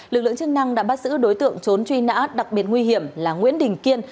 lực lượng chức năng đã bắt giữ đối tượng trốn truy nã đặc biệt nguy hiểm là nguyễn đình kiên